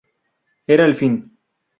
Era el fin.